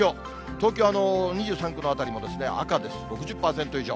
東京２３区の辺りも赤です、６０％以上。